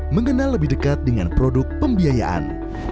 mengenal lebih dekat dengan produk pembiayaan